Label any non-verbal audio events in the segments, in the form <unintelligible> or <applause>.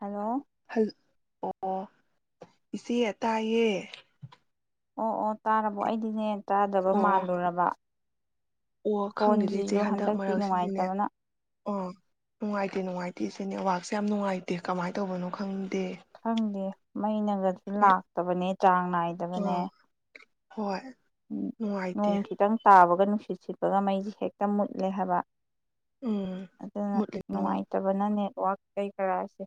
hello ꯍꯜ ꯑꯣ-ꯑꯣ ꯏꯆꯦ ꯇꯥꯏꯌꯦ ꯑꯣ ꯑꯣ ꯇꯥꯔꯕꯣ ꯑꯩꯗꯤꯅꯦ ꯇꯥꯗꯕ ꯑꯣ ꯃꯥꯜꯂꯨꯔꯕ ꯑꯣ ꯈꯪꯗꯦꯗ ꯏꯆꯦ ꯐꯣꯟꯁꯤꯁꯨ ꯍꯟꯗꯛ ꯍꯟꯗꯛꯇꯤ ꯃꯔꯛꯁꯤꯗꯤꯅꯦ ꯅꯨꯡꯉꯥꯏꯇꯕꯅ ꯑꯣ ꯅꯨꯡꯉꯥꯏꯇꯦ-ꯅꯨꯡꯉꯥꯏꯇꯦ ꯇꯤꯁꯤꯅꯦꯜ ꯅꯦꯠꯋꯥꯛꯁꯦ ꯌꯥꯝ ꯅꯨꯡꯉꯥꯏꯇꯦ ꯀꯃꯥꯏ ꯇꯧꯕꯅꯣ ꯈꯪ ꯈꯪꯗꯦ ꯃꯩꯅꯒꯁꯨ ꯂꯥꯛꯇꯕꯅꯦ ꯆꯥꯡ ꯅꯥꯏꯗꯕꯅꯦ ꯑꯥ ꯍꯣꯏ <unintelligible> ꯅꯨꯡꯉꯥꯏꯇꯦ ꯅꯣꯡ ꯈꯤꯇꯪ ꯇꯥꯕꯒ ꯅꯨꯡ ꯁꯤꯠ ꯁꯤꯠꯄꯒ ꯃꯩꯖꯤ ꯍꯦꯛꯇ ꯃꯨꯠꯂꯦ ꯍꯥꯏꯕ ꯎꯝ ꯑꯗꯨꯅ ꯃꯨꯠꯂꯤ ꯅꯨꯡꯉꯥꯏꯇꯕꯅꯅꯦ ꯋꯥ ꯀꯩ ꯀꯥꯔꯥꯁꯦ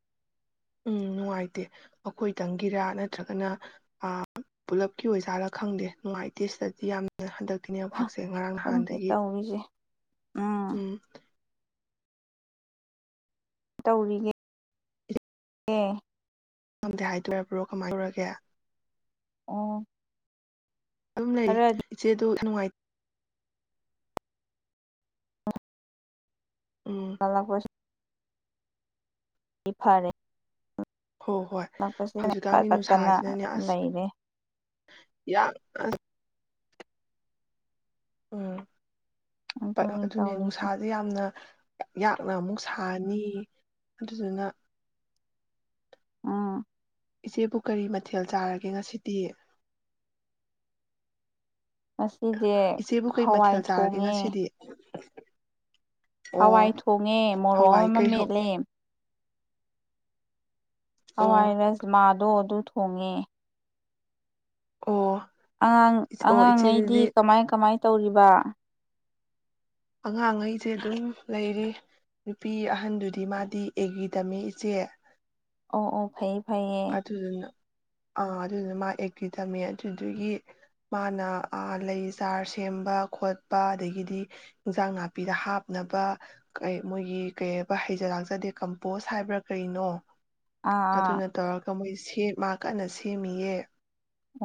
ꯎꯝ ꯅꯨꯡꯉꯥꯏꯇꯦ ꯑꯈꯣꯏꯇꯪꯒꯤꯔꯥ ꯅꯠꯇ꯭ꯔꯒꯅ ꯑꯥ ꯄꯨꯂꯞꯀꯤ ꯑꯣꯏꯖꯥꯠꯂꯥ ꯈꯪꯗꯦ ꯅꯨꯡꯉꯥꯏꯇꯦ ꯁꯤꯗꯗꯤ ꯌꯥꯝꯅ ꯍꯟꯗꯛ ꯅꯦꯋꯥꯛꯁꯦ ꯉꯔꯥꯡ ꯈꯪꯗꯦ ꯅꯍꯥꯟꯗꯒꯤ ꯇꯧꯔꯤꯁꯦ ꯎꯝ ꯇꯧꯔꯤꯒꯦ ꯑꯦ ꯉꯝꯗꯦ ꯍꯥꯏꯗꯣꯔꯕ꯭ꯔꯣ ꯀꯃꯥꯏ ꯇꯧꯔꯒꯦ ꯑꯣ ꯑꯗꯨꯝ ꯂꯩꯔꯤ ꯈꯔꯗꯤ ꯏꯆꯦꯗꯣ ꯅꯨꯡꯉꯥꯏ ꯎꯝ ꯂ ꯀꯣꯏꯁ ꯏ ꯐꯔꯦ ꯍꯣ-ꯍꯣꯏ ꯀꯜꯂꯛꯄꯁꯤꯗ ꯄꯠ ꯍꯧꯖꯤꯛꯀꯥꯟꯒꯤ ꯄꯠꯇꯅ ꯅꯨꯡꯁꯥꯁꯤꯗꯅꯦ ꯑꯁ ꯂꯩꯔꯦ ꯌꯥꯝ ꯑꯁ ꯎꯝ ꯑꯗꯨꯅꯤ <unintelligible> ꯑꯗꯨꯅꯦ ꯇꯧꯔꯤꯁꯦ ꯅꯨꯡꯁꯥꯖꯦ ꯌꯥꯝꯅ ꯌꯥꯛꯅ ꯑꯃꯨꯛ ꯁꯥꯥꯅꯤ ꯑꯗꯨꯗꯨꯅ ꯎꯝ ꯏꯆꯦꯕꯨ ꯀꯔꯤ ꯃꯊꯦꯜ ꯆꯥꯔꯥꯒꯦ ꯉꯁꯤꯗꯤ ꯉꯁꯤꯖꯦ ꯏꯆꯦꯕꯨ ꯀꯔꯤ ꯍꯋꯥꯏ ꯃꯊꯦꯜ ꯆꯥꯔꯒꯦ ꯊꯣꯡꯉꯦ ꯉꯁꯤꯗꯤ ꯍꯋꯥꯏ ꯑꯣ ꯊꯣꯡꯉꯦ ꯃꯣꯔꯣꯛ ꯍꯋꯥꯏ ꯑꯃꯃ ꯀꯩ ꯍꯧ ꯃꯦꯠꯂꯦ ꯑꯋꯥꯏ ꯑꯣ ꯔꯁ ꯃꯥꯗꯣ ꯑꯗꯨ ꯊꯣꯡꯉꯦ ꯑꯣ ꯏꯆ- ꯑꯣ ꯑꯉꯥꯡ-ꯑꯉꯥꯡꯉꯩꯗꯤ ꯏꯆꯦꯗꯨꯗꯤ ꯀꯃꯥꯏ-ꯀꯃꯥꯏ ꯇꯧꯔꯤꯕ ꯑꯉꯥꯡꯉꯩꯖꯦ ꯑꯗꯨꯝ ꯂꯩꯔꯤ ꯅꯨꯄꯤ ꯑꯍꯟꯗꯨꯗꯤ ꯃꯥꯗꯤ ꯑꯦꯒ꯭ꯔꯤ ꯇꯝꯃꯤ ꯏꯆꯦ ꯑꯣ-ꯑꯣ ꯐꯩ ꯑꯗꯨꯗꯨꯅ ꯑꯥ ꯑꯗꯨꯗꯨꯅ ꯃꯥ ꯑꯦꯒ꯭ꯔꯤ ꯇꯝꯃꯤ ꯑꯗꯨꯗꯨꯒꯤ ꯃꯥꯅ ꯑꯥ ꯂꯩ ꯆꯥꯔ ꯁꯦꯝꯕ ꯈꯣꯠꯄ ꯑꯗꯒꯤꯗꯤ ꯏꯟꯖꯥꯡ ꯅꯥꯄꯤꯗ ꯍꯥꯞꯅꯕ ꯀꯩꯪ ꯃꯣꯏꯒꯤ ꯀꯩ ꯍꯥꯏꯕ ꯍꯩꯖ ꯂꯥꯛꯆꯗꯦ ꯀꯝꯄꯣꯁ ꯍꯥꯏꯕ꯭ꯔꯥ ꯀꯩꯅꯣ ꯑꯥ-ꯑꯥ ꯑꯥ ꯀꯃꯣꯏ ꯁꯦ ꯃꯥ ꯀꯟꯅ ꯁꯦꯝꯃꯤꯌꯦ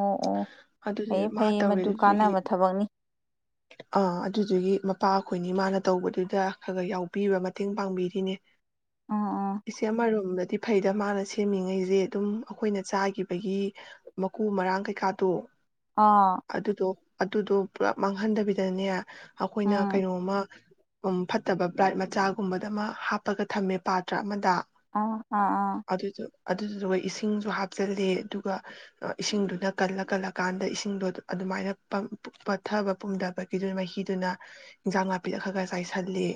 ꯑꯣ-ꯑꯣ ꯑꯗꯨꯗꯤ ꯃꯥ ꯐꯩꯌꯦ-ꯐꯩꯌꯦ ꯇꯧꯔꯦ ꯃꯗꯨ ꯑꯗꯨꯗꯨꯒꯤ ꯀꯥꯟꯅꯕ ꯊꯕꯛꯅꯤ ꯑꯥ ꯑꯗꯨꯗꯨꯒꯤ ꯃꯄꯥ ꯑꯩꯈꯣꯏꯅꯤ ꯃꯥꯅ ꯇꯧꯕꯗꯨꯗ ꯈꯒ ꯌꯥꯎꯕꯤꯕ ꯃꯇꯦꯡ ꯄꯥꯡꯕꯤꯔꯤꯅꯦ ꯎꯝ ꯎꯝ ꯏꯆꯦ ꯃꯔꯨꯝ ꯅꯠ ꯐꯩꯗ ꯃꯥꯅ ꯁꯦꯝꯃꯤꯉꯩ ꯌꯦ ꯑꯗꯨꯝ ꯑꯩꯈꯣꯏꯅ ꯆꯥꯒꯤꯕꯒꯤ ꯃꯀꯨ ꯃꯔꯥꯡ ꯀꯩꯀꯥꯗꯣ ꯑꯥ ꯑꯗꯨꯗꯣ ꯑꯗꯨꯗꯣ ꯄꯨꯂꯞ ꯃꯥꯡꯍꯟꯗꯕꯤꯗꯅꯦ ꯑꯈꯣꯏꯅ ꯎꯝ ꯀꯩꯅꯣꯝꯃ ꯎꯝ ꯐꯠꯇꯕ ꯕ꯭ꯔꯥꯏꯠ ꯃꯆꯥꯒꯨꯝꯕꯗ ꯃꯥ ꯍꯥꯞꯄꯒ ꯊꯝꯃꯦ ꯄꯥꯇ꯭ꯔ ꯑꯃꯗ ꯑꯥ-ꯑꯥ-ꯑꯥ ꯑꯗꯨꯗꯨ ꯑꯗꯨꯗꯨꯒ ꯏꯁꯤꯡꯖꯨ ꯍꯥꯞꯆꯤꯜꯂꯦ ꯑꯗꯨꯒ ꯏꯁꯤꯡꯗꯨꯅ ꯀꯜꯂ-ꯀꯜꯂꯀꯥꯟꯗ ꯏꯁꯤꯡꯗꯣ ꯑꯗꯨ-ꯑꯗꯨꯃꯥꯏꯅ ꯄꯥꯡ ꯄꯠꯊꯕ ꯄꯨꯝꯊꯕꯒꯤꯗꯨ ꯃꯍꯤꯗꯨꯅ ꯏꯟꯖꯥꯡ ꯅꯥꯄꯤꯗ ꯈꯔ-ꯈꯔ ꯆꯥꯏꯁꯤꯜꯂꯤ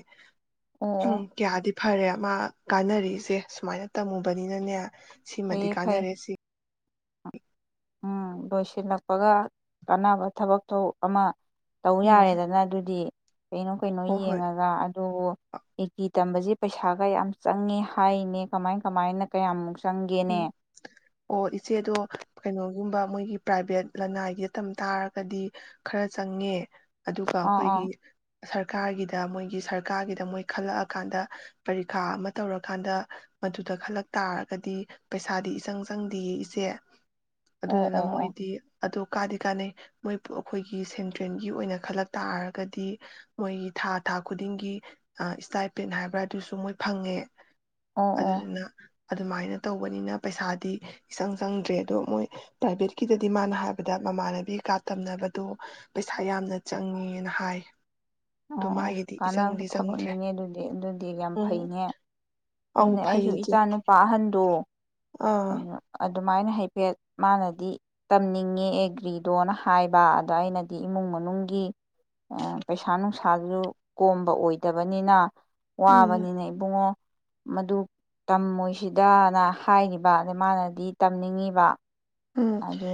ꯑꯣ ꯑꯪ ꯑꯣ ꯀ꯭ꯌꯥꯗꯤ ꯐꯥꯔꯦ ꯃꯥ ꯀꯥꯟꯅꯔꯤꯁꯦ ꯁꯨꯃꯥꯏꯅ ꯇꯝꯃꯨꯕꯅꯤꯅꯅꯦ ꯁꯤꯃꯗꯤ ꯐꯩꯌꯦ ꯐꯩ ꯀꯥꯟꯅꯔꯦ ꯁꯤ ꯎꯝ ꯂꯣꯏꯁꯤꯜꯂꯛꯄꯒ ꯀꯥꯟꯅꯕ ꯊꯕꯛꯇꯣ ꯑꯃ ꯇꯧ ꯎꯝ ꯌꯥꯔꯦꯗꯅ ꯑꯗꯨꯗꯤ ꯀꯩꯅꯣ-ꯀꯩꯅꯣ ꯍꯣ ꯍꯣꯏ ꯌꯦꯡꯉꯒ ꯑꯗꯨꯕꯨ <unintelligible> ꯇꯝꯕꯖꯤ ꯄꯩꯁꯥꯒ ꯌꯥꯝ ꯆꯪꯉꯦ ꯍꯥꯏꯅꯦ ꯀꯃꯥꯏ- ꯀꯃꯥꯏꯅ ꯀꯌꯥꯃꯨꯛ ꯆꯪꯒꯦꯅꯦ ꯎꯝ ꯑꯣ ꯏꯆꯦꯗꯣ ꯀꯩꯅꯣ ꯑꯗꯨꯝꯕ ꯃꯣꯏꯒꯤ ꯄ꯭ꯔꯥꯏꯚꯦꯠ ꯂꯅꯥꯏꯒꯤ ꯇꯝ ꯇꯥꯔꯒꯗꯤ ꯈꯔ ꯆꯪꯉꯦ ꯑꯗꯨꯒ ꯑꯥ ꯑꯥ ꯑꯩꯈꯣꯏꯒꯤ ꯁ꯭ꯔꯞ ꯁꯔꯀꯥꯔꯒꯤꯗ ꯃꯣꯏꯒꯤ ꯁꯔꯀꯥꯔꯒꯤꯗ ꯃꯣꯏ ꯈꯜꯂꯛ ꯑꯀꯥꯟꯗ ꯄꯥꯔꯤꯈꯥ ꯑꯃ ꯇꯧꯔꯀꯥꯟꯗ ꯃꯗꯨꯗ ꯈꯜꯂꯛ ꯇꯥꯔꯒꯗꯤ ꯄꯩꯁꯥꯗꯤ ꯏꯆꯪ ꯆꯪꯗꯤꯌꯦ ꯏꯆꯦ ꯑꯣ ꯑꯗꯨꯗꯨꯅ ꯑꯣ ꯃꯣꯏꯗꯤ ꯑꯗꯣ ꯀꯥꯗꯤ ꯀꯥꯟꯅꯩ ꯃꯣꯏ ꯑ-ꯑꯩꯈꯣꯏꯒꯤ ꯁꯦꯟꯇ꯭ꯔꯦꯟꯒꯤ ꯑꯣꯏꯅ ꯈꯜꯂꯛ ꯇꯥꯔꯒꯗꯤ ꯃꯣꯏ ꯊꯥ-ꯊꯥ ꯈꯨꯗꯤꯡꯒꯤ ꯑ-ꯏꯁꯇꯥꯏꯄꯦꯟ ꯍꯥꯏꯕ꯭ꯔꯥ ꯑꯗꯨꯁꯨ ꯃꯣꯏ ꯐꯪꯉꯦ ꯑꯣ ꯑꯣ ꯑꯣ ꯑꯗꯨꯗꯨꯅ ꯑꯗꯨꯃꯥꯏꯅ ꯇꯧꯕꯅꯤꯅ ꯄꯩꯁꯥꯗꯤ ꯏꯆꯪ ꯆꯪꯗ꯭ꯔꯦ ꯑꯗꯣ ꯃꯣꯏ ꯄ꯭ꯔꯥꯏꯚꯦꯠꯀꯤꯗꯗꯤ ꯃꯥꯅ ꯍꯥꯏꯕꯗ ꯃꯃꯥꯟꯅꯕꯤ ꯀꯥ ꯇꯝꯅꯕꯗꯣ ꯄꯩꯁꯥ ꯌꯥꯝꯅ ꯆꯪꯉꯦꯅ ꯍꯥꯏ ꯑꯗꯣ ꯑꯣ ꯑꯣ ꯃꯥꯒꯤꯗꯤ ꯀꯥꯟꯅꯕ ꯏꯆꯪꯗꯤ ꯆꯪꯗ꯭ꯔꯦ ꯊꯕꯛꯅꯤꯅꯦ ꯑꯗꯨꯗꯤ ꯑꯗꯨꯗꯤ ꯌꯥꯝ ꯎꯝ ꯐꯩꯅꯦ ꯑꯧ ꯑꯗꯨꯅꯦ ꯐꯩ ꯑꯩꯁꯨ ꯏꯆꯦ ꯏꯆꯥ ꯅꯨꯄꯥ ꯑꯍꯟ ꯗꯣ ꯑꯥ ꯑꯗꯨꯃꯥꯏꯅ ꯍꯥꯏꯐꯦꯠ ꯃꯥꯅꯗꯤ ꯇꯝꯅꯤꯡꯉꯦ ꯑꯦꯒ꯭ꯔꯤꯗꯣꯅ ꯍꯥꯏꯕ ꯑꯗ ꯑꯩꯅꯗꯤ ꯏꯃꯨꯡ ꯃꯅꯨꯡꯒꯤ ꯑ ꯄꯩꯁꯥ ꯄꯩꯁꯥ ꯅꯨꯡꯁꯥꯁꯨ ꯀꯣꯝꯕ ꯑꯣꯏꯗꯕꯅꯤꯅ ꯎꯝ ꯋꯥꯕꯅꯤꯅ ꯏꯕꯨꯡꯉꯣ ꯃꯗꯨ ꯇꯝꯃꯣꯏꯁꯤꯗꯅ ꯍꯥꯏꯒꯤꯕ ꯑꯗ ꯃꯥꯅꯗꯤ ꯇꯝꯅꯤꯡꯉꯤꯕ ꯎꯝ ꯑꯗꯨ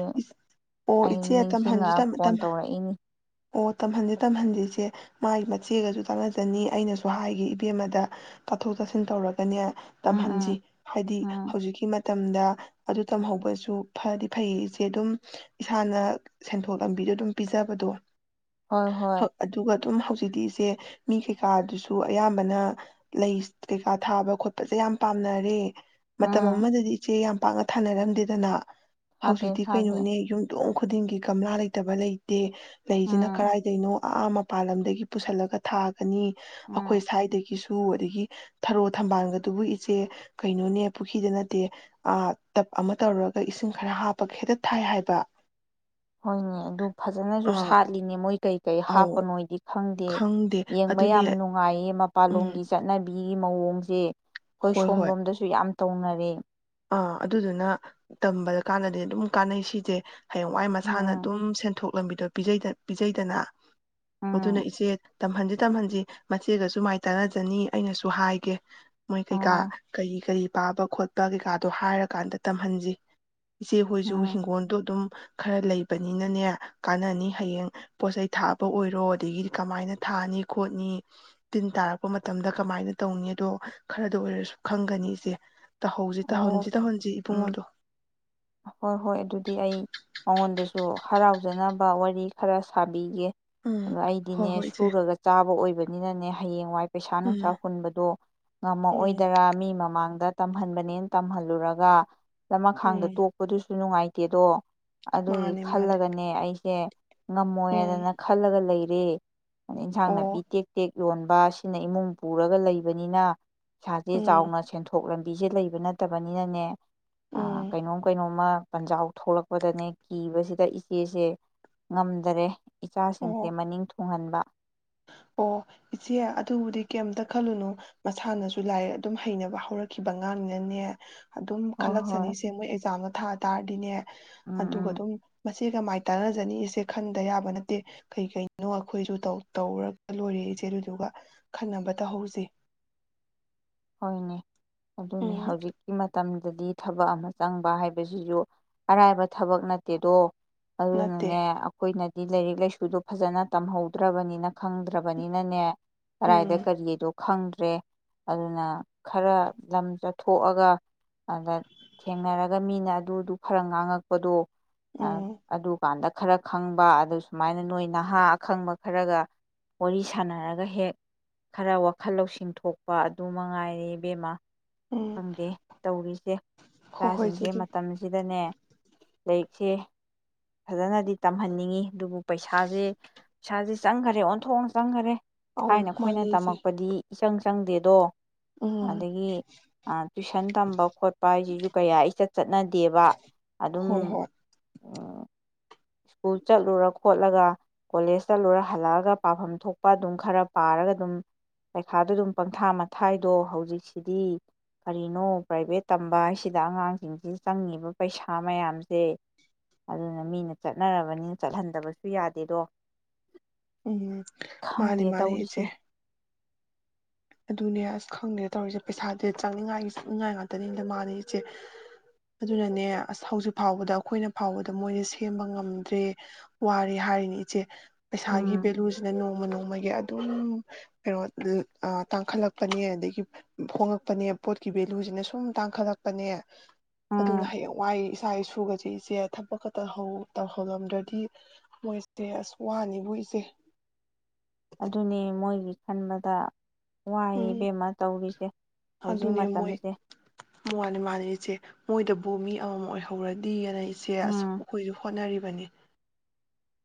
ꯑꯣ ꯑꯩ ꯏꯆꯦ ꯇꯝꯍꯟꯁꯨ ꯅꯤꯡꯁꯤꯡꯉꯛꯑ ꯐꯣꯟ ꯇꯝꯍꯟ ꯇꯧꯔꯛꯏꯅꯤ ꯑꯣ ꯇꯝꯍꯟꯂꯨ ꯇꯝꯍꯟꯗꯤ ꯏꯆꯦ ꯃꯥꯒꯤ ꯃꯆꯦꯒꯁꯨ ꯇꯥꯟꯅꯖꯅꯤ ꯑꯩꯅꯁꯨ ꯍꯥꯏꯒꯦ ꯏꯕꯦꯝꯃꯗ ꯇꯥꯊꯣꯛ ꯇꯥꯁꯤꯟ ꯇꯧꯔꯒꯅꯦ ꯎꯝ ꯎꯝ ꯇꯝꯍꯟꯁꯤ ꯍꯥꯏꯗꯤ ꯎꯝ ꯍꯧꯖꯤꯛꯀꯤ ꯃ ꯇꯝꯗ ꯑꯗꯨ ꯇꯝꯍꯧꯕꯁꯨ ꯐꯗꯤ ꯐꯩꯌꯦ ꯏꯆꯦ ꯑꯗꯨꯝ ꯏꯁꯥꯅ ꯁꯦꯟꯊꯣꯛ ꯂꯝꯕꯤꯗꯣ ꯑꯗꯨꯝ ꯄꯤꯖꯕꯗꯣ ꯍꯣꯏ ꯍꯣꯏ ꯑꯗꯨꯒ ꯑꯗꯨꯝ ꯍꯧꯖꯤꯛꯇꯤ ꯏꯆꯦ ꯃꯤ ꯀꯩꯀꯥꯗꯨꯁꯨ ꯑꯌꯥꯝꯕꯅ ꯂꯩ ꯀꯩꯀꯥ ꯊꯥꯕ ꯈꯣꯠꯄꯁꯦ ꯌꯥꯝ ꯄꯥꯝꯅꯔꯦ ꯃꯇꯝ ꯎꯝ ꯑꯃꯗꯗꯤ ꯏꯆꯦ ꯌꯥꯝ ꯄꯥꯛꯅ ꯊꯥꯅꯔꯝꯗꯦꯗꯅ ꯊꯥꯗꯦ ꯍꯧꯖꯤꯛꯇꯤ ꯊꯥꯗꯦ ꯀꯩꯅꯣꯅꯦ ꯌꯨꯝꯊꯣꯡ ꯈꯨꯗꯤꯡꯒꯤ ꯒꯝꯂꯥ ꯂꯩꯇꯕ ꯂꯩꯇꯦ ꯂꯩꯁꯤꯅ ꯎꯝ ꯀꯔꯥꯏꯗꯩꯅꯣ ꯑꯥ ꯃꯄꯥꯟ ꯂꯝꯗꯒꯤ ꯄꯨꯁꯤꯜꯂꯒ ꯊꯥ ꯎꯝ ꯑꯩꯈꯣꯏ ꯁ꯭ꯋꯥꯏꯗꯒꯤꯁꯨ ꯇꯨ ꯑꯗꯒꯤ ꯊꯔꯣ ꯊꯝꯕꯥꯜꯒꯗꯨꯕꯨ ꯏꯆꯦ ꯀꯩꯅꯣꯅꯦ ꯄꯨꯈ꯭ꯔꯤꯗ ꯅꯠꯇꯦ ꯑꯥ ꯇꯞ ꯑꯃ ꯇꯧꯔꯒ ꯏꯁꯤꯡ ꯈꯔ ꯍꯥꯞꯄꯒ ꯍꯦꯛꯇ ꯊꯥꯏ ꯍꯥꯏꯕ ꯍꯣꯏꯅꯦ ꯑꯗꯨ ꯐꯖꯅꯁꯨ ꯑꯥ ꯁꯥꯠꯂꯤꯅꯦ ꯀꯩ ꯀꯩ ꯑꯧ ꯍꯥꯞꯄꯅꯣꯏꯗꯤ ꯈꯪꯗꯦ ꯌꯦꯡꯕ ꯌꯥꯝ ꯅꯨꯡꯉꯥꯏꯌꯦ ꯎꯝ ꯃꯄꯥꯟꯂꯣꯝꯒꯤ ꯆꯠꯅꯕꯤ ꯃꯤꯒꯤ ꯃꯑꯣꯡꯁꯦ ꯑꯩꯈꯣꯏ ꯍꯣꯏ ꯍꯣꯏ ꯁꯣꯝꯂꯣꯝꯗꯁꯨ ꯌꯥꯝ ꯇꯧꯅꯔꯦ ꯑꯥ ꯑꯗꯨꯗꯨꯅ ꯇꯝꯕꯗ ꯀꯥꯟꯗꯗꯤ ꯑꯗꯨꯝ ꯀꯥꯟꯅꯩ ꯁꯤꯁꯦ ꯍꯌꯦꯡꯋꯥꯏ ꯎꯝ ꯃꯁꯥꯅ ꯎꯝ ꯑꯗꯨꯝ ꯁꯦꯟꯊꯣꯛ ꯂꯝꯕꯤꯗꯣ ꯄꯤꯖ ꯄꯤꯖꯩꯗꯅ ꯑꯗꯨꯅ ꯎꯝ ꯏꯆꯦ ꯇꯝꯍꯟꯁꯤ ꯇꯝꯍꯟꯁꯤ ꯃꯆꯦꯒꯁꯨ ꯃꯥꯏ ꯇꯥꯟꯅꯖꯅꯤ ꯑꯩꯅꯁꯨ ꯍꯥꯏꯒꯦ ꯃꯣꯏ ꯀꯩꯀꯥ ꯑꯣ ꯀꯔꯤ ꯀꯔꯤ ꯄꯥꯕ ꯈꯣꯠꯄ ꯀꯩꯀꯥ <unintelligible> ꯍꯥꯏꯔꯀꯥꯟꯗ ꯇꯝꯍꯟꯁꯤ ꯏꯆꯦꯈꯣꯏꯁꯨ ꯎꯝ ꯍꯤꯡꯒꯣꯜꯗꯣ ꯑꯗꯨꯝ ꯈꯔ ꯂꯩꯕꯅꯤꯅꯅꯦ ꯀꯥꯟꯅꯅꯤ ꯍꯌꯦꯡ ꯄꯣꯠꯆꯩ ꯊꯥꯕ ꯑꯣꯏꯔꯣ ꯑꯗꯒꯤꯗꯤ ꯀꯃꯥꯏꯅ ꯊꯥꯅꯤ ꯈꯣꯠꯅꯤ ꯇꯤꯟ ꯇꯥꯔꯛꯄ ꯃꯇꯝꯗ ꯀꯃꯥꯏꯅ ꯇꯧꯅꯤ ꯑꯗꯣ ꯈꯔꯗ ꯑꯣꯏꯔꯁꯨ ꯈꯪꯒꯅꯤ ꯏꯁꯦ <unintelligible> ꯇꯧꯍꯟꯁꯤ ꯑꯣ ꯇꯧꯍꯟꯁꯤ ꯎꯝ ꯏꯕꯨꯡꯗꯣ ꯍꯣꯏ ꯍꯣꯏ ꯑꯗꯨꯗꯤ ꯑꯩ ꯃꯉꯣꯟꯗꯁꯨ ꯍꯔꯥꯎꯖꯅꯕ ꯋꯥꯔꯤ ꯈꯔ ꯁꯥꯕꯤꯒꯦ ꯎꯝ ꯑꯗꯣ ꯍꯣꯏ ꯑꯩꯗꯤꯅꯦ ꯍꯣꯏ ꯏꯆꯦ ꯁꯨꯔꯒ ꯆꯥꯕ ꯑꯣꯏꯕ ꯑꯣꯏꯕꯅꯤꯅꯅꯦ ꯍꯌꯦꯡꯋꯥꯏ ꯄꯩꯁꯥ ꯎꯝ ꯅꯨꯡꯁꯥ ꯍꯨꯟꯕꯗꯣ ꯎꯝ ꯉꯝꯃꯑꯣꯏꯗꯔꯥ ꯃꯤ ꯃꯃꯥꯡꯗ ꯇꯝꯍꯟꯕꯅꯦꯅ ꯇꯝꯍꯜꯂꯨꯔꯒ ꯆꯃꯈꯥꯡꯗ ꯎꯝ ꯑꯗꯨꯁꯨ ꯅꯨꯡꯉꯥꯏꯇꯦꯗꯣ ꯑꯗꯨꯒꯤ ꯃꯥꯅꯦ ꯃꯥꯅꯦ ꯈꯜꯂꯒꯅꯦ ꯑꯩꯁꯦ ꯎꯝ ꯉꯝꯃꯣꯏꯗꯅ ꯈꯜꯂꯒ ꯂꯩꯔꯤ ꯇꯦ <unintelligible> ꯏꯟꯁꯥꯡ ꯅꯥꯄꯤ ꯑꯣ ꯇꯦꯛ ꯇꯦꯛ ꯌꯣꯟꯕ ꯁꯤꯅ ꯏꯃꯨꯡ ꯄꯨꯔꯒ ꯂꯩꯕꯅꯤꯅ ꯏꯁꯥꯁꯦ ꯎꯝ ꯆꯥꯎꯅ ꯁꯦꯟꯊꯣꯛ ꯂꯝ ꯄꯤꯤꯁꯦ ꯂꯩꯕ ꯅꯠꯇꯕꯅꯤꯅꯅꯦ ꯑꯥ ꯎꯝ ꯀꯩꯅꯣꯝꯃ ꯄꯟꯖꯥꯎ ꯊꯣꯛꯂꯛꯄꯗꯅꯦ ꯀꯤꯕꯁꯤꯗ ꯏꯆꯦꯁꯦ ꯉꯝꯗꯔꯦ ꯏꯆꯥꯁꯤꯡꯁꯦ ꯑꯣ ꯃꯅꯤꯡ ꯊ <unintelligible> ꯎꯨꯡꯍꯟꯕ ꯑꯣ ꯏꯆꯦ ꯑꯗꯨꯕꯨꯗꯤ ꯀꯩꯝꯇ ꯈꯜꯂꯨꯅꯨ ꯃꯁꯥꯅꯁꯨ ꯂꯥꯏꯛ ꯑꯗꯨꯝ ꯍꯩꯅꯕ ꯍꯧꯔꯛꯈꯤꯕ ꯉꯥꯡꯅꯅꯦ ꯑꯗꯨꯝ ꯍꯣꯏ ꯍꯣꯏ ꯈꯜꯂꯛꯁꯅꯤꯁꯦ ꯃꯣꯏ ꯑꯦꯛꯖꯥꯝ ꯊꯥ ꯇꯥꯔꯗꯤꯅꯦ ꯎꯝ ꯑꯗꯨꯒ ꯎꯝ ꯑꯗꯨꯝ ꯁꯤꯒ ꯃꯥꯏ ꯇꯥꯟꯅꯖꯅꯤꯁꯦ ꯈꯟꯗ ꯌꯥꯕ ꯅꯠꯇꯦ ꯀꯩ ꯀꯅꯣ ꯑꯩꯈꯣꯏꯁꯨ ꯇꯧ ꯇꯧꯔꯒ ꯂꯣꯏꯔꯦꯏꯁꯦ ꯑꯗꯨꯗꯨꯒ ꯈꯟꯅꯕ ꯇꯧꯍꯧꯁꯤ ꯍꯣꯏꯅꯦ ꯑꯗꯨꯅꯤ ꯎꯝ ꯍꯧꯖꯤꯛꯀꯤ ꯃꯇꯝ ꯗꯗꯤ ꯊꯕꯛ ꯑꯃ ꯆꯪꯕ ꯍꯥꯏꯕꯁꯤꯁꯨ ꯑꯔꯥꯏꯕ ꯊꯕꯛ ꯅꯠꯇꯦꯗꯣ ꯅꯠꯇꯦ ꯑꯗꯨꯅꯅꯦ ꯑꯩꯈꯣꯏꯅ ꯍꯥꯏꯗꯤ ꯂꯥꯏꯔꯤꯛ ꯂꯥꯏꯁꯨꯗꯣ ꯐꯖꯅ ꯇꯝꯍꯧꯗ꯭ꯔꯕꯅꯤꯅ ꯈꯪꯗ꯭ꯔꯕꯅꯤꯅꯅꯦ ꯀꯔꯥꯏꯗ ꯎꯝ ꯀꯔꯤꯗꯣ ꯈꯪꯗ꯭ꯔꯦ ꯑꯗꯨꯅ ꯈꯔ ꯂꯝ ꯆꯠꯊꯣꯛꯑꯒ ꯑꯗ ꯊꯦꯡꯅꯔꯒ ꯃꯤꯅ ꯑꯗꯨꯗꯨ ꯈꯔ ꯉꯥꯡꯉꯛꯄꯗꯣ ꯑ ꯎꯝ ꯑꯗꯨ ꯀꯥꯟꯗ ꯈꯔ ꯈꯪꯕ ꯑꯗꯨ ꯁꯨꯃꯥꯏꯅ ꯅꯣꯏ ꯅꯍꯥ ꯑꯈꯪꯕ ꯈꯔꯒ ꯋꯥꯔꯤ ꯁꯥꯟꯅꯔꯒ ꯍꯦꯛ ꯈꯔ ꯋꯥꯈꯜ ꯂꯧꯁꯤꯡ ꯊꯣꯛ ꯄꯥ ꯑꯗꯨ ꯃꯉꯥꯏꯔꯦ ꯏꯕꯦꯝꯃꯥ ꯎꯝ ꯈꯪꯗꯦ ꯇꯧꯔꯤꯁꯦ ꯍꯣꯏ ꯍꯣꯏ ꯏꯆꯦ ꯏꯆꯥꯁꯤꯡꯁꯦ ꯑꯗꯨ ꯃꯇꯝꯁꯤꯗꯅꯦ ꯂꯥꯏꯔꯤꯛꯁꯦ ꯐꯖꯅꯗꯤ ꯇꯝꯍꯟꯅꯤꯡꯉꯤ ꯑꯗꯨꯕꯨ ꯄꯩꯁꯥꯁꯦ ꯄꯩꯁꯥꯁꯦ ꯆꯪꯒꯔꯗꯤ ꯑꯣꯟꯊꯣꯛꯅ ꯆꯪꯈꯔꯦ ꯑꯧ ꯊꯥꯏꯅ ꯑꯩꯈꯣꯏꯅ ꯃꯥꯅꯦ ꯏꯆꯦ ꯇꯝꯃꯛꯄꯗꯤ ꯆꯪ ꯆꯪꯗꯦꯗꯣ ꯎꯝ ꯑꯗꯒꯤ ꯑ ꯇꯨꯏꯁꯟ ꯇꯝꯕ ꯈꯣꯠꯄ ꯍꯥꯏꯁꯤꯁꯨ ꯀꯌꯥ ꯏꯆꯠ ꯆꯠꯅꯗꯦꯕ ꯑꯗꯨꯝ ꯍꯣꯏ ꯍꯣꯏ ꯁ꯭ꯀꯨꯜ ꯆꯠꯂꯨꯔ ꯈꯣꯠꯂꯒ ꯀꯣꯂꯦꯖ ꯆꯠꯂꯨꯔ ꯍꯜꯂꯛꯑꯒ ꯄꯥꯐꯝ ꯊꯣꯛꯄ ꯑꯗꯨꯝ ꯈꯔ ꯄꯥꯔꯒ ꯑꯗꯨꯝ ꯄꯩꯈꯥꯗ ꯑꯗꯨꯝ ꯄꯪꯊꯥ ꯃꯊꯥꯏꯗꯣ ꯍꯧꯖꯤꯛꯁꯤꯗꯤ ꯀꯔꯤꯅꯣ ꯄ꯭ꯔꯥꯏꯚꯦꯠ ꯇꯝꯕ ꯍꯥꯏꯁꯤꯗ ꯑꯉꯥꯡꯁꯤꯡꯁꯤ ꯆꯪꯉꯤꯕ ꯄꯩꯁꯥ ꯃꯌꯥꯝꯁꯦ ꯑꯗꯨꯅ ꯃꯤꯅ ꯆꯠꯅꯔꯕꯅꯤꯅ ꯆꯠꯍꯟꯗꯕꯁꯨ ꯌꯥꯗꯦꯗꯣ ꯎꯝ ꯃꯥꯅꯤ ꯈꯪꯗꯦ ꯃꯥꯅꯤ ꯏꯆꯦ ꯇꯧꯔꯤꯁꯦ ꯑꯗꯨꯅꯦ ꯑꯁ ꯈꯪꯗꯦ ꯇꯧꯔꯤꯁꯦ ꯄꯩꯁꯥꯗꯤ ꯆꯪꯅꯤꯡꯉꯥꯏ ꯒꯤ ꯆꯪꯅꯤꯡꯉꯥꯏ ꯉꯥꯛꯇꯅꯤꯗ ꯃꯥꯟꯅꯤ ꯏꯆꯦ ꯑꯗꯨꯅꯅꯦ ꯑꯁ ꯍꯧꯖꯤꯛ ꯐꯥꯎꯕꯗ ꯑꯩꯈꯣꯏꯅ ꯐꯥꯎꯕꯗ ꯃꯣꯏꯁꯦ ꯁꯦꯝꯕ ꯉꯝꯗ꯭ꯔꯦ ꯋꯥꯔꯦ ꯍꯥꯏꯔꯤꯅꯤ ꯏꯆꯦ ꯄꯩꯁꯥꯒꯤ ꯎꯝ ꯚꯦꯂꯨꯁꯤꯅ ꯅꯣꯡꯃ ꯅꯣꯡꯃꯒꯤ ꯑꯗꯨꯝ ꯑꯦ ꯑꯣꯇ ꯑ ꯇꯥꯡꯈꯠꯂꯛꯄꯅꯦ ꯑꯗꯒꯤ ꯍꯣꯡꯉꯛꯄꯅꯦ ꯄꯣꯠꯀꯤ ꯚꯦꯂꯨꯁꯤꯅ ꯁꯨꯝ ꯇꯥꯡꯈꯠꯂꯛꯄꯅꯦ ꯎꯝ ꯑꯗꯨꯅ ꯍꯌꯦꯡ ꯋꯥꯏ ꯏꯁꯥ ꯏꯁꯨꯒꯁꯤ ꯏꯆꯦ ꯊꯕꯛꯀ ꯇꯧꯍꯧ ꯇꯧꯍꯜꯂꯝꯗ꯭ꯔꯗꯤ ꯃꯣꯏꯁꯦ ꯑꯁ ꯋꯥꯅꯤꯕꯨ ꯏꯆꯦ ꯑꯗꯨꯅꯤ ꯃꯣꯏꯒꯤ ꯈꯟꯕꯗ ꯋꯥꯏ ꯎꯝ ꯏꯕꯦꯝꯃ ꯇꯧꯔꯤꯁꯦ ꯍꯧꯖꯤꯛ ꯑꯗꯨꯅꯦ ꯃꯣꯏ ꯃꯇꯝꯁꯦ ꯃꯅꯤ ꯃꯥꯟꯅꯤ ꯏꯆꯦ ꯃꯣꯏꯗ ꯕꯨ ꯃꯤ ꯑꯃꯃꯝ ꯑꯣꯏꯍꯧꯔꯗꯤꯅ ꯏꯆꯦ ꯑꯁ ꯎꯝ ꯑꯩꯈꯣꯏꯁꯨ ꯍꯣꯠꯅꯔꯤꯕ ꯕꯅꯤ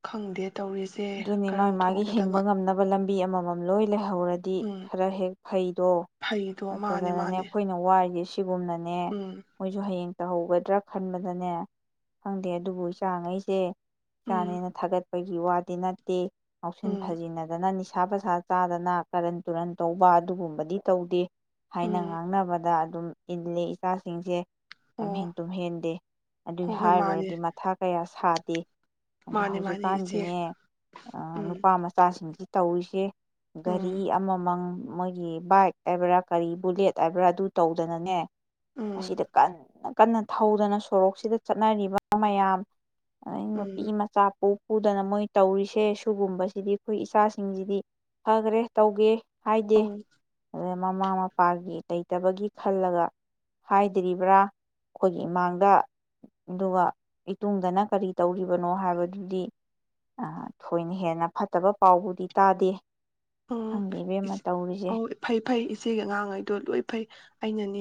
ꯈꯪꯗꯦ ꯇꯧꯔꯤꯁꯦ ꯑꯗꯨꯅꯦ ꯃꯥꯒꯤ ꯀꯔꯝ ꯃꯥꯒꯤ ꯍꯤꯡꯕ ꯊꯣꯛꯀꯗꯕ ꯉꯝꯅꯕ ꯂꯝꯕꯤ ꯃꯤ ꯑꯃꯃꯝ ꯂꯣꯏ ꯂꯩꯍꯧꯔꯗꯤ ꯎꯝ ꯈꯔ ꯍꯦꯛ ꯐꯩꯗꯣ ꯐꯩꯗꯣ ꯃꯥꯅꯦ ꯅꯠꯇꯗꯅꯅꯦ ꯃꯥꯅꯦ ꯑꯩꯈꯣꯏꯅ ꯋꯥꯔꯤꯁ ꯁꯤꯒꯨꯝꯅꯅꯦ ꯎꯝ ꯃꯣꯏꯁꯨ ꯍꯌꯦꯡ ꯇꯧꯍꯧꯒꯗ꯭ꯔꯥ ꯈꯟꯕꯗꯅꯦ ꯈꯪꯗꯦ ꯑꯗꯨꯕꯨ ꯏꯆꯥꯒꯩꯁꯦ ꯎꯝ ꯏꯆꯥꯅꯦꯅ ꯊꯥꯒꯠ ꯄꯒꯤ ꯋꯥ ꯅꯠꯇ ꯃꯥꯎꯁꯤꯟ ꯎꯝ ꯐꯥꯖꯤꯅꯗꯅꯅꯤ ꯄꯩꯁꯥ ꯄꯁꯥ ꯆꯥꯗꯅ ꯀꯔꯟ ꯇꯨꯔꯟ ꯇꯧꯕ ꯑꯗꯨꯒꯨꯝꯕꯗꯤ ꯇꯧꯗꯦ ꯍꯥꯏꯅ ꯎꯝ ꯉꯥꯡꯅꯕꯗ ꯑꯗꯨꯝ ꯏꯜꯂꯦ ꯏꯆꯥꯁꯤꯡꯁꯦ ꯂꯝꯍꯦꯟ ꯑꯣ ꯇꯨꯝꯍꯦꯟꯗꯦ ꯑꯗꯨꯒꯤ ꯍꯣꯏ ꯍꯣꯏ ꯃꯥꯅꯦ ꯍꯥꯏꯔꯨꯔꯗꯤ ꯃꯊꯥ ꯀꯌꯥꯁꯨ ꯁꯥꯗꯦ ꯑꯗꯣ ꯃꯥꯅꯦ ꯃꯥꯅꯦ ꯏꯆꯦ ꯍꯧꯖꯤꯛꯀꯥꯟꯒꯤꯅꯦ ꯑ ꯎꯝ ꯅꯨꯄꯥ ꯃꯆꯥꯁꯤ ꯁꯤꯡꯁꯤ ꯇꯧꯔꯤꯁꯦ ꯒꯥꯔꯤ ꯎꯝ ꯑꯃꯃꯪ ꯃꯣꯏꯒꯤ ꯕꯥꯏꯛ ꯍꯥꯏꯕ꯭ꯔꯥ ꯀꯔꯤ ꯕꯨꯂꯦꯠ ꯍꯥꯏꯕ꯭ꯔꯥ ꯑꯗꯨ ꯇꯧꯗꯅꯅꯦ ꯑꯁꯤ ꯎꯝ ꯁꯤꯗ ꯀꯥꯟ ꯀꯟꯅ ꯊꯧꯗꯅ ꯁꯣꯔꯣꯛꯁꯤꯗ ꯆꯠꯅꯔꯤꯕ ꯃꯌꯥꯝ ꯑꯗ ꯅꯨꯄꯤ ꯎꯝ ꯃꯆꯥꯄꯣꯛ ꯍꯗ ꯅ ꯃꯣꯏ ꯇꯧꯔꯤꯁꯦ ꯁꯤꯒꯨꯝꯕꯁꯤꯗꯤ ꯑꯩꯈꯣꯏ ꯏꯆꯥꯁꯤꯡꯁꯤꯗꯤ ꯐꯈ꯭ꯔꯦ ꯇꯧꯒꯦ ꯍꯥꯏꯗꯤ ꯑꯧ ꯑ ꯃꯃꯥ ꯃꯄꯥꯒꯤ ꯇꯇꯕꯒꯤ ꯈꯜꯂꯒ ꯍꯥꯏꯗ꯭ꯔꯤꯕ꯭ꯔꯥ ꯑꯩꯈꯣꯏꯒꯤ ꯏꯃꯥꯡꯗ ꯑꯗꯨꯒ ꯏꯇꯨꯡꯗꯅ ꯀꯔꯤ ꯇꯧꯔꯤꯕꯅꯣ ꯍꯥꯏꯕꯗꯨꯗꯤ ꯑ ꯊꯣꯏꯅ ꯍꯦꯟꯅ ꯐꯠꯇꯕ ꯄꯥꯎꯕꯨꯗꯤ ꯇꯥꯗꯦ ꯎꯝ ꯈꯪꯗꯦ ꯏꯕꯦꯝꯃ ꯇꯧꯔꯤꯁꯦ ꯑꯣ ꯐꯩ ꯐꯩ ꯏꯆꯦꯒ ꯑꯉꯥꯡꯉꯩꯗꯣ ꯂꯣꯏ ꯐꯩ ꯑꯩꯅꯅꯦ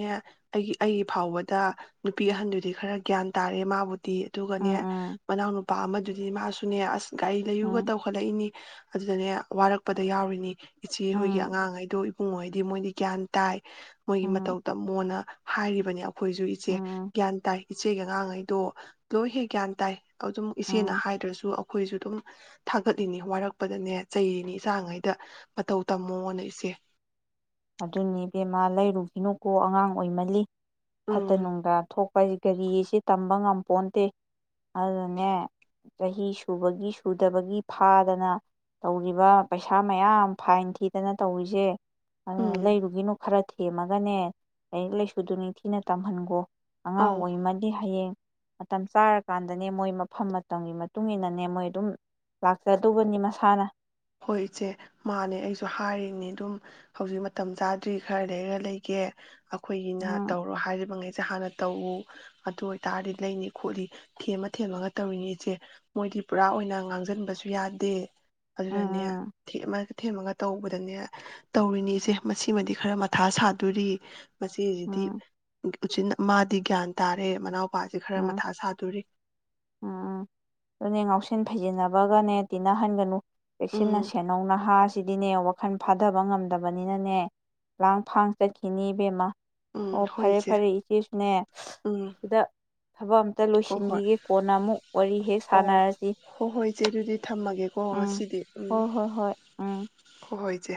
ꯑꯩꯒꯤ ꯑꯩꯒꯤ ꯐꯥꯎꯕꯗ ꯅꯨꯄꯤ ꯑꯍꯟꯗꯨꯗꯤ ꯈꯔ ꯒ꯭ꯌꯥꯟ ꯇꯥꯔꯦ ꯃꯥꯕꯨꯗꯤ ꯎꯝ ꯑꯗꯨꯒꯅꯦ ꯎꯝ ꯃꯅꯥꯎ ꯅꯨꯄꯥ ꯑꯃꯗꯨꯅꯤ ꯃꯍꯁꯨꯅꯤ ꯑꯁ ꯒꯥꯔꯤ ꯂꯩꯌꯨꯒ ꯎꯝ ꯇꯧꯈꯠꯂꯛꯏꯅꯤ ꯑꯗꯨꯗꯅꯦ ꯋꯥꯔꯛꯄꯗ ꯗ ꯌꯥꯎꯔꯤꯅꯤ ꯏꯆꯦꯍꯣꯏꯒꯤ ꯎꯝ ꯑꯉꯥꯡꯈꯩꯗꯣ ꯏꯕꯨꯡꯉꯩꯗꯤ ꯃꯣꯏꯗꯤ ꯭ꯌꯥꯟ ꯇꯥꯏ ꯃꯣꯏꯒꯤ ꯎꯝ ꯃꯊꯧ ꯇ ꯃꯣꯟꯅ ꯍꯥꯏꯔꯤꯕ <unintelligible> ꯑꯩꯈꯣꯏꯁꯨ ꯏꯆꯦ ꯎꯝ ꯒ꯭ꯌꯥꯟ ꯇꯥꯏ ꯏꯆꯦꯒ ꯑꯉꯥꯡꯈꯩꯗꯣ ꯂꯣꯏ ꯍꯦꯛ ꯒ꯭ꯌꯥꯟ ꯇꯥꯏ ꯑꯗꯨꯝ ꯏꯆꯦꯅ ꯎꯝ ꯍꯥꯏꯗ꯭ꯔꯁꯨ ꯑꯩꯈꯣꯏꯁꯨ ꯑꯗꯨꯝ ꯊꯥꯡꯒꯠꯂꯤꯅꯤ ꯋꯥꯔꯛꯄꯗꯅꯦ ꯆꯩꯔꯤꯅꯤ ꯏꯆꯉꯩꯗ ꯃꯇꯧ ꯇꯝꯃꯣꯅ ꯏꯆꯦ ꯑꯗꯨꯅꯦꯕꯦꯝꯃꯥ ꯂꯩꯔꯨꯈꯤꯅꯨꯀꯣ ꯑꯉꯥꯡ ꯑꯣꯏꯃꯜꯂꯤ ꯐꯠꯇ ꯎꯝ ꯅꯨꯡꯗ ꯊꯣꯛꯄ ꯍꯥꯏꯁꯤ ꯒꯔꯤꯁꯤ ꯇꯝꯕ ꯉꯝꯄꯣꯟꯇꯦ ꯑꯗꯨꯅꯦ ꯆꯍꯤ ꯁꯨꯕꯒꯤ ꯁꯨꯗꯕꯒꯤ ꯐꯥꯗꯅ ꯇꯧꯔꯤꯕ ꯄꯩꯁꯥ ꯃꯌꯥꯝ ꯐꯥꯏꯟ ꯊꯤꯗꯅ ꯇꯧꯔꯤꯁꯦ ꯑꯗꯨꯅ ꯎꯝ ꯂꯩꯔꯨꯒꯤꯅꯨ ꯈꯔ ꯊꯦꯝꯃꯒꯅꯦ ꯂꯥꯏꯔꯤꯛ ꯂꯥꯏꯁꯨꯗꯨ ꯅꯤꯡꯊꯤꯅ ꯇꯝꯍꯟꯒꯣ ꯑꯉꯥꯡ ꯑꯧ ꯑꯣꯏꯃꯜꯂꯤ ꯍꯌꯦꯡ ꯃꯇꯝ ꯆꯥꯔꯀꯥꯟꯗꯅꯦ ꯃꯣꯏ ꯃꯐꯝ ꯃꯇꯝꯒꯤ ꯃꯇꯨꯡ ꯏꯟꯅꯅꯦ ꯃꯣꯏ ꯑꯗꯨꯝ ꯂꯥꯛꯆꯗꯧꯕꯅꯤ ꯃꯁꯥꯅ ꯍꯣꯏ ꯏꯆꯦ ꯃꯥꯅꯦ ꯑꯩꯁꯨ ꯍꯥꯏꯔꯤꯅꯤ ꯑꯗꯨꯝ ꯍꯧꯖꯤꯛ ꯃꯇꯝ ꯆꯥꯗ꯭ꯔꯤ ꯈꯔ ꯂꯩꯔ ꯂꯩꯒꯦ ꯑꯩꯈꯣꯏꯒꯤꯅ ꯎꯝ ꯇꯧꯔꯣ ꯍꯥꯏꯔꯤꯕ ꯉꯩ ꯁꯦ ꯍꯥꯟꯅ ꯇꯧꯎ ꯑꯗꯨ ꯑꯣꯏꯇꯥꯔꯗꯤ ꯂꯩꯅꯤ ꯈꯣꯠꯂꯤ ꯊꯦꯝꯃ ꯊꯦꯝꯃꯒ ꯇꯧꯔꯤꯅꯤ ꯏꯆꯦ ꯃꯣꯏꯗꯤ ꯄꯨꯔꯥ ꯑꯣꯏꯅ ꯉꯥꯡꯁꯤꯟꯕꯁꯨ ꯌꯥꯗꯦ ꯎꯝ ꯅꯦ ꯇꯧꯔꯤꯅꯤꯁꯦ ꯃꯁꯤꯃꯗꯤ ꯈꯔ ꯃꯊꯥ ꯁꯥꯗꯣꯔꯤ ꯃꯆꯦꯁꯤꯗꯤ ꯎꯝ ꯎꯆꯤꯟ ꯃꯥꯗꯤ ꯒ꯭ꯌꯥꯟ ꯇꯥꯔꯦ ꯃꯅꯥꯎ ꯅꯨꯄꯥꯁꯤ ꯈꯔ ꯎꯝ ꯎꯝ ꯃꯊꯥ ꯁꯥꯗꯣꯔꯤ ꯎꯝ ꯎꯝ ꯑꯗꯨꯅꯦ ꯉꯥꯎꯁꯤꯟ ꯐꯩꯖꯤꯟꯅꯕꯒꯅꯦ ꯇꯤꯟꯅꯍꯟꯒꯅꯨ ꯆꯦꯛꯁꯤꯟꯅ ꯎꯝ ꯁꯦꯟꯟꯅꯧ ꯅꯍꯥ ꯁꯤꯗꯤꯅꯦ ꯋꯥꯈꯜ ꯐꯥꯊꯕ ꯉꯝꯗꯕꯅꯤꯅꯅꯦ ꯂꯥꯡ ꯐꯥꯡ ꯆꯠꯈꯤꯅꯤ ꯏꯕꯦꯝꯃ ꯑꯣ ꯎꯝ ꯍꯣꯏ ꯐꯔꯦ ꯏꯆꯦ ꯐꯔꯦ ꯏꯆꯦꯁꯨꯅꯦ ꯎꯝ ꯑꯁꯤꯗ ꯊꯕꯛ ꯑꯝꯇ ꯍꯣ ꯍꯣꯏ ꯂꯣꯏꯁꯤꯟꯈꯤꯒꯦ ꯀꯣꯟꯅ ꯑꯃꯨꯛ ꯋꯥꯔꯤ ꯍꯦꯛ ꯑꯣ ꯁꯥꯟꯅꯔꯁꯤ ꯍꯣꯏ ꯍꯣꯏ ꯏꯆꯦ ꯑꯗꯨꯗꯤ ꯊꯝꯃꯒꯦꯀꯣ ꯎꯝ ꯉꯁꯤꯗꯤ ꯎꯝ ꯍꯣꯏ ꯍꯣꯏ ꯍꯣꯏ ꯎꯝ ꯍꯣꯏ ꯍꯣꯏ ꯏꯆꯦ